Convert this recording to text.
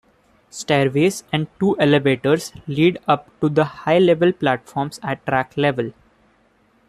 Stairways and two elevators lead up to the high-level platforms at track level.